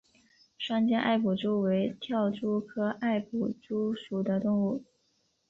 双尖艾普蛛为跳蛛科艾普蛛属的动物。